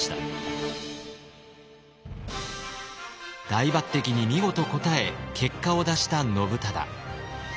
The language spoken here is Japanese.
大抜擢に見事応え結果を出した信忠。